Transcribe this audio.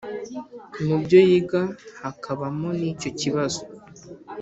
Mu byo yiga hakabamo n icyo kibazo